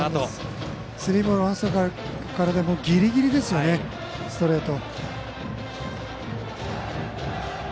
スリーボールワンストライクからでもギリギリですよね、ストレート。